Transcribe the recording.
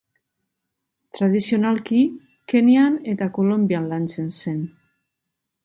Tradizionalki Kenyan eta Kolonbian lantzen zen.